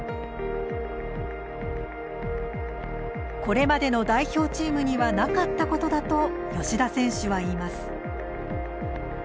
これまでの代表チームにはなかったことだと吉田選手は言います。